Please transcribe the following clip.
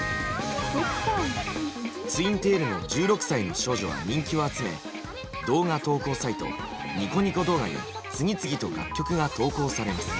ツインテールの１６歳の少女は人気を集め動画投稿サイトニコニコ動画に次々と楽曲が投稿されます。